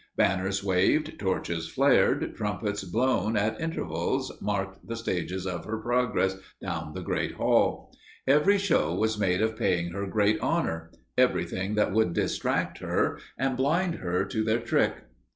Banners waved, torches flared, trumpets blown at intervals marked the stages of her progress down the great hall; every show was made of paying her great honor everything that would distract her and blind her to their trick.